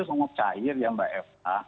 sangat cair ya mbak eva